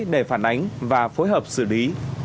để phản ánh và phối hợp xử lý